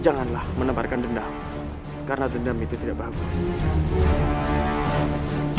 janganlah menebarkan dendam karena dendam itu tidak bagus